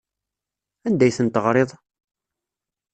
Anda ay tent-teɣriḍ?